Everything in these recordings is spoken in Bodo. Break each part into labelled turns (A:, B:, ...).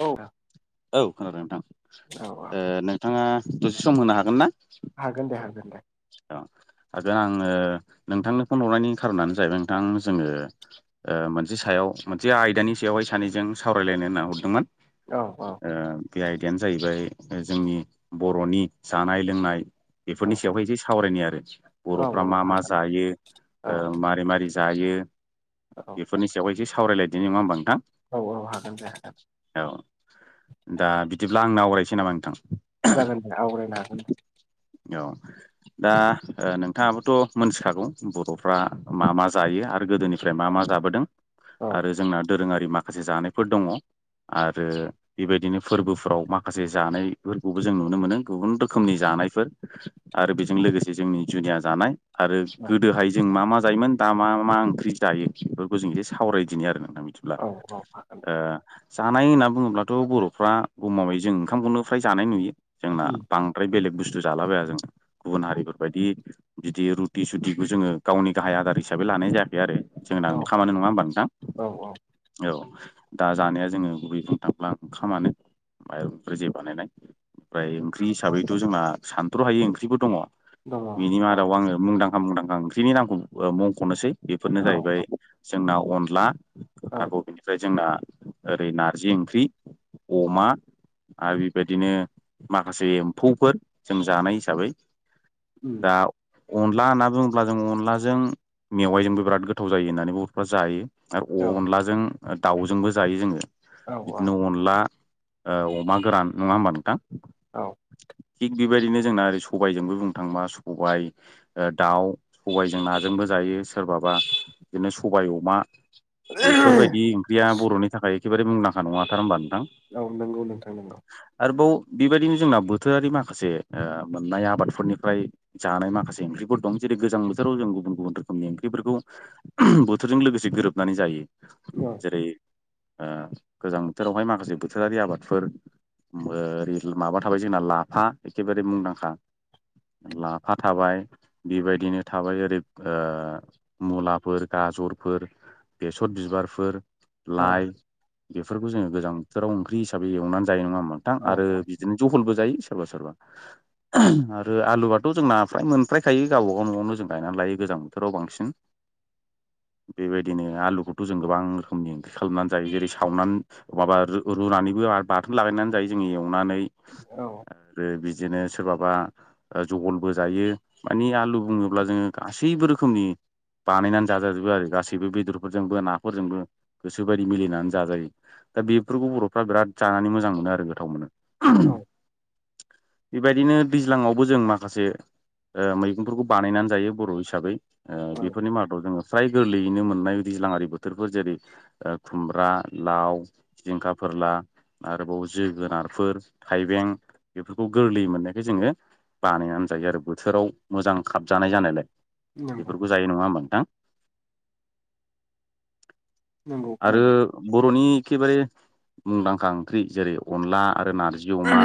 A: औ
B: औ खोनादों नोंथां
A: औ
B: ओ नोंथाङा दसे सम होनो हागोन ना?
A: हागोन दे हागोन दे।
B: औ हागोन आङो नोंथांनो फन हरनायनि खारनानो जाहैबाय नोंथां जोङो ओ मोनसे सायाव मोनसे आयदानि सायावहाय सानैजों सावरायलायनो होनना हरदोंमोन।
A: औ औ
B: ओ बे आयदायानो जाहैबाय जोंनि बर'नि जानाय लोंनाय
A: औ
B: बेफोरनि सायावहाय एसे सावरायनि आरो बर'फ्रा
A: औ
B: मा मा
A: हागोन
B: जायो
A: औ
B: ओ मारै मारै जायो बेफोरनि सायाव एसे सावरायलायदिनि नङा होमबा नोंथां।
A: औ औ हागोन दे हागोन।
B: औ बिदिब्ला दा आंनो आवरायसै नामा नोंथां?
A: जागोन दे आवरायनो हागोन दे।
B: औ। दा ओ नोंथाङाबोथ' मोनथिखागौ बर'फ्रा मा मा जायो आरो गोदोनिफ्राय मा मा जाबोदों।
A: औ
B: आरो जोंना दोरोङारि माखासे जानायफोर दङ। आरो बेबायदिनो फोरबोफ्राव माखासे जानायफोरखौबो जों नुनो मोनो गुबुन रोखोमनि जा नायफोर आरो बेजों लोगोसे जोंनि जुनिया जानाय आरो
A: औ
B: गोदोहाय जों मा मा जायोमोन दा मा मा ओंख्रि जायो बेफोरखौ जों एसे सावरायदिनो आरो। दे बिदिब्ला
A: औ औ हागोन दे
B: ओ जानाय होनना बुङोब्लाथ' बर'फ्रा गमामायै जों ओंखामखौनो फ्राय जानाय नुयो। जोंना
A: उम
B: बांद्राय बेलेग बुस्थु जालाबाया जोङो। गुबुन हारिफोरबायदि बिदि रुटि सुटिखौ जोङो गावनि गाहाय आदार हिसाबै लानाय जाया। बिदि आरो जोंना
A: औ
B: ओंखामानो नङा होमबा नोंथां
A: औ औ
B: औ। दा जानाया जोङो गुबै बुंनोथांब्ला ओंखामानो। माइरंनिफ्राय जे बानायनाय ओमफ्राय ओंख्रि हिसाबैथ' जोंहा सानथ्र' हायो ओंख्रिफोर दङ
A: दङ
B: बिनि मादाव आङो मुंदांखा मुंदांखा ओंख्रिनि नामखौ मुंख'नोसै बेफोरनो
A: औ
B: जाहैबाय जोंना अनला
A: औ
B: आरोबाव बेेनिफ्राय जोंना ओरै नारजि ओंख्रि अमा आरो बिबायदिनो माखासे एम्फौफोर जों जानाय हिसाबै
A: उम
B: दाव अनला होनना बुङोब्ला जों अनलाजों मेवाइजोंबो बिराद गोथाव जायो होननानै बर'फ्रा जायो। आरो
A: औ
B: अनलाजों दाउजोंबो जायो जोङो
A: औ
B: बिदिनो अनला ओ अमा गोरान नङा होमबा नोंथां?
A: औ
B: थिग बेबायदिनो जोंना आरो स' बाय जोंबो बुंनो थांबा सबाय ओ दाउ सबायजों नाजोंबो जायो सोरबाबा। बिदिनो सबाय अमा बेफोरबायदि ओंख्रिया बर'नि थाखाय एखेबारे मुंदांखा नङाथार होमबा नों?
A: औ नंगौ नोंथां नोंगौ।
B: आरोबाव बेबायदिनो जोंना बोथोरारि माखासे ओ मोननाया आबादफोरनिफ्राय जानाय माखासे ओंख्रिफोर दं जेरै गोजां बोथोराव जों गुबुन गुबुन रोखोमनि ओंख्रिफोरखौ [unintelligible] बोथोरजों लोगोसे गोरोबनानै जायो
A: औ
B: जेरै ओ गोजां बोथोरावहाय माखासे बोथोरारि आबादफोर [unintelligible] ओरै माबा थाबाय जोंना लाफा एखेबारे मुंदांखा लाफा थाबाय बेबायदिनो थाबाय ओरै ओ मुलाफोर गाजर फोर बेसर बिबारफोर
A: औ
B: लाइ बेफोरखौ जोङो गोजां बोथोराव ओंख्रि हिसाबै एवनानै जायो नङा ओमबाथां
A: औ
B: आरो बिदिनो जहलबो जायो सोरबा सोरबा [unintelligible] आरो आलुआथ' जोंना फ्राय मोनफ्रायखायो गावबा गाव न'आवनो जों गायनानै लायो गोजां बोथोराव बांसिन [unintelligible] बेबायदिनो आलुखौथ' जों गोबां रोखोमनि ओंख्रि खालामनानै जायो जेरै सावनानै माबा रुनानैबो बा बाथोन लागायनानै ज एवनानै
A: औ
B: आरो बिदिनो सोरबाबा ओ जहलबो जायो मानिे आलु बुङोब्ला जोङो गासैबो रोखोमनि बानायनानै जाजाजोबो आरो गासैबो बेदरफोरजोंबो नाफोरजोंबो गोसोबायदि मिलिनानै जाजायो दा बेफोरखौ बर'फ्रा बिराद जानानै मोजां मोनो आरो गोथाव मोनो
A: औ
B: [unintelligible] बेबायदिनो दैज्लाङावबो जों माखासे ओ मैगंफोरखौ बानायनानै जायो बर' हिसाबै ओ बेफोरनि मादाव जोङो फ्राय गोरलैयैनो मोननाय दैज्लाङारि बोथोरफोर जेरै ओ खुमब्रा लाव जिंखा फोरला आरोबाव जोगोनारफोर थाइबें बेफोरखौ गोरलैयै मोननायखाय जोङो बानायनानै जायो आरो बोथोराव मोजां खाबजानाय जानायलाय
A: नंगौ
B: बेफोरखौ जायो नङा होमबा नोंथां
A: नंगौ
B: आरो
A: खोनादों
B: बर'नि एखेबारे मुंदांखा ओंख्रि जेरै अनला आरो नारजि अमा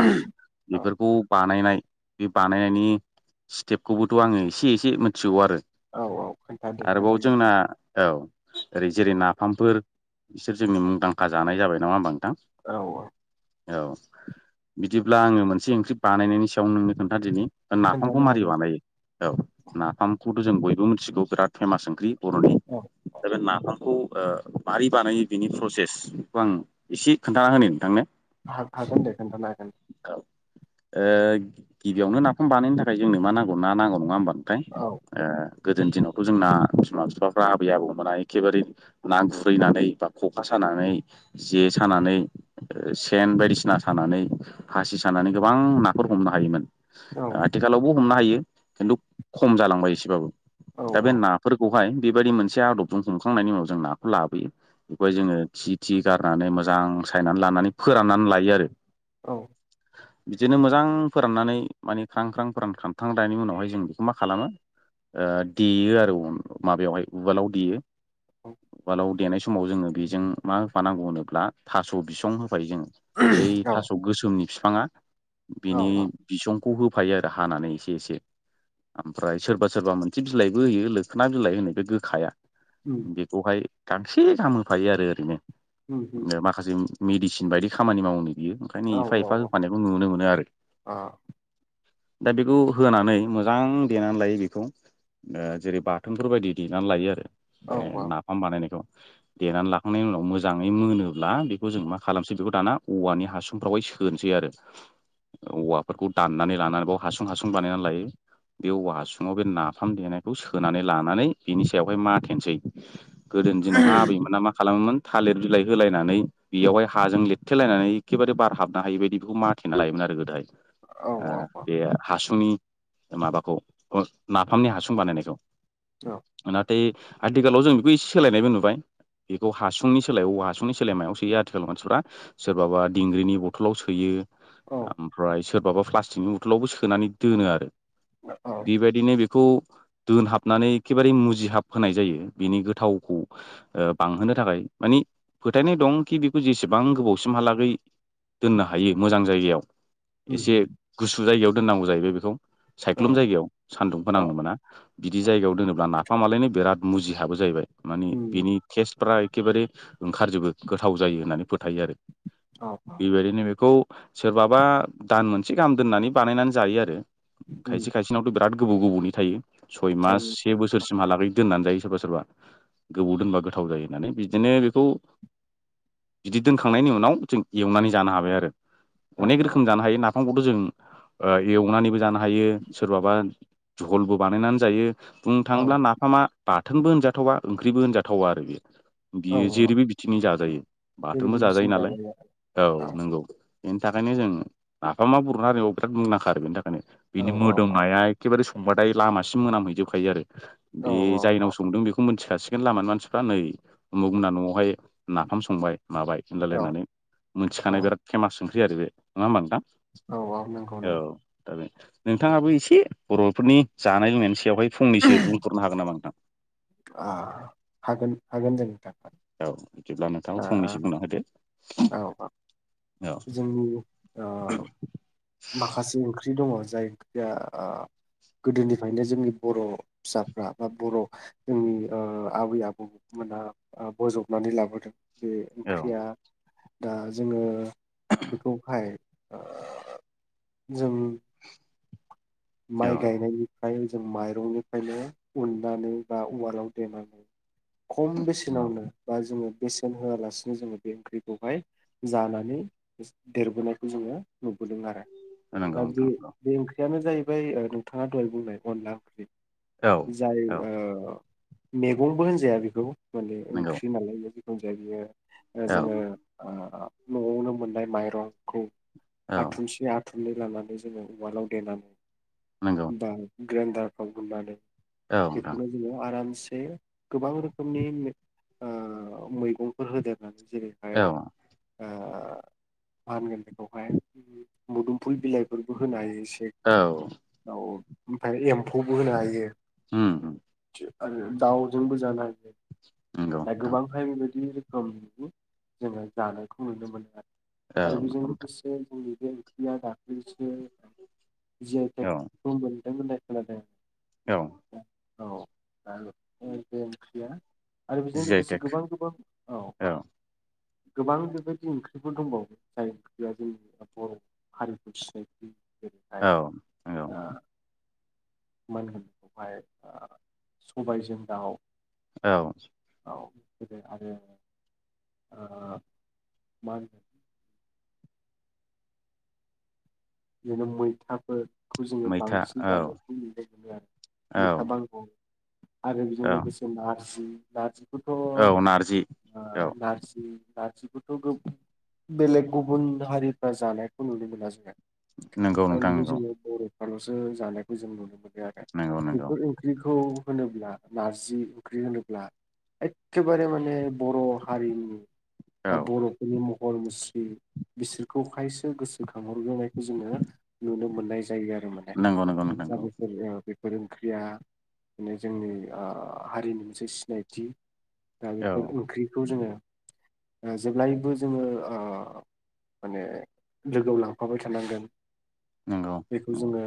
A: औ
B: बेफोरखौ बानायनाय बे बानायनायनि स्टेपखौबोथ' आङो एसे एसे मिथिगौ आरो
A: औ औ खोन्थादो
B: आरोबाव
A: खोन्थानो
B: जोंना औ ओरै जेरै नाफामफोर इसोर जोंनि मुंदांखा जानाय जाबाय नामा होमबा नोंथां
A: औ औ
B: औ बिदिब्ला आङो मोनसे ओंख्रि बानायनायनि सायाव नोंनो खोन्थाादिनि नाफामखौ
A: खोन्थानो
B: मारै
A: हागोन दे
B: बानायो औ नाफामखौथ' जों बयबो मिथिगौ बिराद फेमास ओंख्रि बर'नि
A: औ
B: दा बे नाफामखौ ओ मारि बानायो बिनि प्रसेस बेखौ आं एसे खोन्थाना होनि नोंथांनो
A: हा हागोन खोनथानो हागोन
B: ओ गिबियावनो नाफाम बानायनो थाखाय जोंनो मा नांगौ ना नांगौ नङा ओमबा ओमफाय
A: औ
B: ओ गोदोनि दिनावथ' जोंना बिमा बिफाफ्रा आबै आबौमोना एखेबारे ना गुरैनानै बा खखा सानानै जे सानानै सेन बायदिसि सानानै [unintelligible] सानानै गोबां नाफोर हमनो हायोमोन
A: औ
B: ओ आथिखालावबो हमनो हायो खिन्थु खम जालांबाय एसेबाबो
A: औ
B: दा बे नाफोरखौहाय बेबायदि मोनसे आदबजों हमखांनायनि उनाव जों नाखौ लाबोयो [unintelligible] जोङो थि थि गारनानै मोजां सायनानै लानानै फोराननानै लायो आरो
A: औ
B: बिदिनो मोजां फोराननानै माने ख्रां ख्रां फोरानखांथारनायनि उनावहाय जों बेखौ मा खालामो ओ देयो आरो माबायावहाय उवालाव देयो
A: औ
B: उवालाव देनाय समाव जोङो बेजों मा होफानांगौ होनोब्ला थास' बिसं हो [unintelligible] जों बै थास
A: औ
B: गोसोमनि बिफाङा
A: औ
B: बिनि
A: औ
B: बिसं खौ होफायो आरो हानानै एसे एसे ओमफ्राय सोरबा सोरबा मोनसे बिलाइबो होयो लोखोना बिलाइ होनाय बे गोखाया
A: उम
B: बेखौहाय गांसे गाहाम होफायो आरो ओरैनो
A: उम उम
B: माखासे मेडिसिन बायदि खामानि मावनो बियो ओंखायनो
A: औ
B: एफा
A: औ
B: एफा
A: औ
B: फानायखौ नुनो मोनो आरो।
A: आ
B: दा बेखौ होनानै मोजां देनानै लायो बेखौ ओ जेरै बाथोनफोर बायदि देनानै लायो आरो
A: औ
B: बे नाफाम बानायनायखौ। देनानै लाखांनायनि उनाव मोजाङै मोनोब्ला बेखौ जों मा खालामसै बेखौ दाना औवानि हासुंफ्रावाय सो सोनोसै आरो औवाफोरखौ दाननानै लानानै बाव हासुं हासुं बानायनानै लायो। बे औवा हासुङाव बे नाफाम देनायखौ सोनानै लानानै बिनि सायावहाय माथेनोसै। गोदोनि दिनावहा आबैमोना मा खालामोमोन थालिर बिलाइ होलायनानै बेयावहाय हाजों लिरथेलायनानै एखेबारे बार हाबनो हायि बायदि माथेना लायोमोन आरो गोदोहाय
A: औ
B: ओ
A: औ
B: बे आरो हासुं सुंनि माबाखौ नाफामनि हासुं बानायनायखौ।
A: औ‌।
B: नाथाय आथिखालाव जों बेखौ एसे सोलायनायबो नुबाय। बेखौ हासुंनि सोलायायाव औ हासुंनि सोलाय मायाव सोयो आथिखाल मानसिफोरा सोरबाबा दिंग्रिनि बथलाव सो सोयो
A: औ
B: ओमफ्राय सोरबाबा प्लास्टिकनि बथलावबो सोनानै दोनो आरो। बेबायदिनो बे खौ दोनहाबनानै एखेबारे मुजिहाब होनोनाय जायो बेनि गोथावखौ ओ बांहोनो थाखाय मानि फोथायनाय दं कि बेखौ जेसेबां गोबावसिमहालागै दोननो हाग हायो मोजां जायगायाव
A: उम
B: एसे
A: उम
B: गुसु जायगायाव दोननांगौ जाहैबाय बेखौ
A: औ
B: सायख्लुम जायगायाव सान्दुं
A: औ
B: फोनांनो मोना बिदि जायगायाव दोनोब्ला ना फामालायनो बिराद मुजि हाबो जाहैबाय मानि
A: उम
B: बिनि टेस्टफ्रा एखेबारे ओंखारजोबो गोथाव जायो होननानै फोथायो आरो।
A: औ औ।
B: बेबायदिनो बेखौ सोरबाबा दान मोनसे गाहाम दोननानै बानायनानै जायो आरो खायसे
A: उम
B: खायसेनावथ' बिराद बिराद गोबाव गोबावनि थायो सय मास
A: थायो
B: से
A: थायो
B: बोसोरसिमहालागै दोननानै जायो। सोरबा सोरबा गोबाव दोनबा गोथाव जायो होननानै बिदिनो बेखौ। बिदि दोनखांनायनि उनाव जों एवनानै जानो हाबाय आरो
A: औ
B: अनेक रोखोम जानो हायो ना बिफांखौथ' जों ओ एवनानैबो जानो हायो सोरबाबा झलबो बानायनानै जायो। बुंनो
A: औ
B: थाङोब्ला नाफामा बाथोनबो होनजाथावा ओंख्रिबो होनजाथावा आरो बेयो।
A: औ
B: बियो
A: औ
B: जेरैबो बिथिंनि जाजायो बाथोनबो
A: जेरैबो
B: जाजायो
A: बिसिनि
B: नालाय औ नंगौ। बेनि थाखायनो जों नाफामा बर'नि हारिमुयाव बिराद मुंदांखा आरो बेनि थाखायनो बिनि
A: आरो औ औ
B: मोदोमनाया एखेबारे हबाथाय लामासिम मोनामहैजोबखायो आरो
A: औ
B: बे
A: औ
B: जायनाव संदों बेखौ मोनथि खासिगोन लामानि मानसिफ्रा नै उमुक मोनना न'आवहाय नाफाम संबाय माबाय होनलायलायनानै
A: औ
B: मोनथिखानाय बिराद फेमास ओंख्रि आरो बे नङा होमबा नोंथां?
A: औ औ नंगौ नंगौ।
B: दा बे नोंथाङाबो एसे बर'फोरनि जानाय लोंनायनि सायावहाय फंनैसो बुंफोरनो हागोन नामा नोंथां?
A: आ हागोन हागोन जों नोंथां।
B: औ जेब्ला नोंथाङाबो
A: आ
B: फंंनैसो बुंना होदो
A: औ औ
B: औ
A: जोंनि माखासे ओंख्रि दङ जायखिजाया ओ गोदोनिफ्रायनो जोंनि बर' फिसाफ्रा बा बर' ओ आबै आबौ मोना बजबनानै लाबोदों बे
B: औ
A: ओंख्रिया दा जोङो बेखौहाय ओ जों
B: औ
A: माइ गायनायनि फाय जों माइरंनिफ्रायनो उननानै बा उवालाव देनानै खम बेसेनावनो बा जोङो बेसेन होआलासिनो जोङो बे ओंख्रिखौहाय जानानै देरबोनायखौ जोङो नुदों। गुदों आरो
B: नंगौ
A: दा बे
B: नोंथां
A: बे ओंख्रियानो जाहैबाय नोंथाङा दहाय बुंनाय अनला ओंख्रि।
B: औ
A: जाय
B: औ
A: ओ मेगंबो होनजाया बेखौ माने
B: नंगौ
A: ओंख्रि नालाय जाय बियो
B: औ
A: जोङो ओ न'आवनो मोननाय माइरंखौ
B: औ
A: आथुमसे आथुमनै लानानै जोङो उवालाव
B: नंगौ
A: देनानै बा ग्रेडारफ्राव होननानै
B: औ नोंथां
A: बेखौनो जोङो आरामसे गोबां रोखोमनि ओ मैगंफोर होदों होननानै
B: औ
A: जेरैहाय ओ मा होनगोन बेखौहाय मुदुमफुल बिलाइफोरबो होनो हायो एसे
B: औ
A: औ ओमफ्राय एम्फौबो होनो हायो
B: ह
A: आरो दाउजोंबो जानो
B: नंगौ
A: हायो
B: नोंथां
A: गोबांहाय बेबायदि रोखोमनि जोङो जानायखौ नुनो मोनो आरो
B: औ
A: आरो बेजों
B: नंगौ नोंथां
A: लोगोसे जोंनि बे ओंख्रिया दाख्लैसो जिआइ
B: औ
A: टेकखौ मोनदों होननाय खोनादों
B: औ
A: [unintelligible] आरो बेजों
B: जि आइ
A: लोगोसे
B: टेक
A: गोबां गोबां औ औ गोबां बेबायदि ओंख्रिफोर दंबावो जाय ओंख्रिया जोंनि बर' हारिखौ सिनायथि बेनिहाय
B: औ नंगौ
A: ओ मान होनोनखौहाय सबायजों दाउ
B: औ
A: आरो मा होनो बिदिनो मैथाफोर खौ जोङो
B: मैथा
A: बांसिन
B: औ
A: जानायखौ मोनुनाय मोनो आरो
B: औ
A: मैथा बांगल आरो बेजों
B: औ
A: लोगोसे नारजि नारजि थ'
B: औ नारजि औ
A: नारजि नारजिखौ बेलेग गुबुन हारिफ्रा जानायखौ नुनो मोना जोङो
B: नंगौ नोंथां
A: अनलि
B: नंगौ
A: जोङो बर'फ्र'सो जानायखौ जों नुनो मोनो
B: नंगौ नंगौ
A: बेफोर ओंख्रिखौ होनोब्ला नारजि ओंख्रि होनोब्ला एखेबारे माने बर' हारिनि
B: औ
A: बा बर'फोरनि म हरमुस्रि बिसोरखौ खायसो गोसोखांहरग्रोनाय जोङो नुनो मोननाय जायो आरो माने
B: नंगौ नंगौ नोंथां नंगौ
A: गामिफोर फोरोरोंख्रिया माने जोंनि हारिनि मोनसे सिनायथि दा
B: औ
A: बेफोर ओंख्रिखौ जोङो जेब्लायबो जोङो ओ माने लोगोआव लांफाबाय थ थांगोन
B: नंगौ
A: बेखौ
B: नंगौ
A: जोङो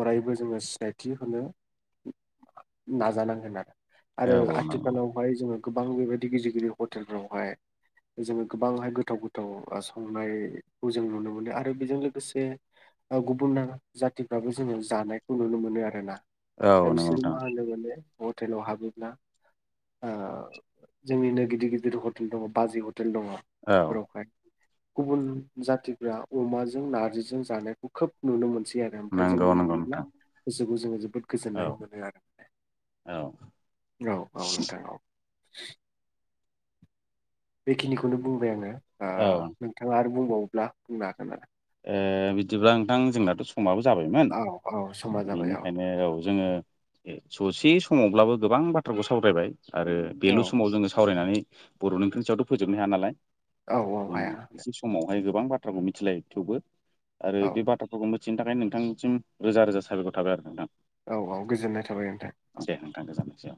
A: अरायबो जोङो सिनायथि होनो नाजानांगोन आरो
B: औ
A: आरो
B: औ नंगौ
A: आथिखालावहाय जोङो गोबां बेबायदि गिदिर गिदिर हटेलफोरावहाय जोङो गोबांहाय गोथाव गोथाव संनायखौ जों नुनो मोनो आरो बेजों लोगोसे गुबुना जाथिफ्राबो जोङो जानायखौ नुनो मोनो आरो ना
B: औ नंगौ
A: आमसोर
B: नोंथां
A: मा होनो माने हटेलाव हाबोब्ला जोंनिनो गिदिर गिदिर हटेल दङ बाजै हटेल हेल
B: औ
A: दङावहाय गुबुन जा अ जों नारजिजों जानायखौ खोब नुनो मोनसै आरो ओमफ्राय जों
B: नंगौ नंगौ
A: नुयोब्ला
B: नोंथां
A: जो। खौ जोङो जोबोद
B: औ
A: गोजोननाय मोनो आरो माने
B: औ
A: औ- औ -नोंथां औ। [inaudible] बेखिनिखौनो बुंबाय आङो ओ नोंथाङा आरो बुंबावोब्ला बुंनो हागोन आरो?
B: ओ बिदिबा नोंथां जोंनाथ' समाबो जाबायमोन
A: आरो औ औ समा जाबाय
B: बेनिखायनो औ। जोङो ससे समावब्लाबो गोबां बाथ्राखौ सावरायबाय। आरो
A: औ
B: बेलु समाव जोङो सावरायनानै बर'नि कन्सआवथ' फोजोबनो हाया नालाय।
A: औ औ
B: जों
A: हाया
B: एसे समावहाय गोबां बाथ्राखौ मिथिलायो थेवबो आरो
A: औ
B: बे बाथ्राफोरखौ। बिथिनि थाखाय नोंथांसिम रोजा रोजा साबायखर थाबाय आरो नोंथां।
A: औ- औ -गोजोननाय थाबाय नोंथां औ।
B: आदसा